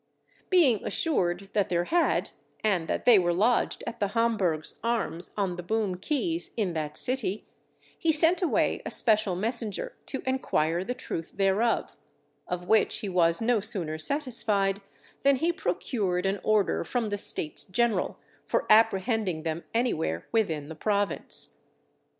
Being assured that there had, and that they were lodged at the Hamburgh's Arms on the Boom Keys in that City, he sent away a special messenger to enquire the truth thereof; of which he was no sooner satisfied, than he procured an order from the States General for apprehending them anywhere within the Province.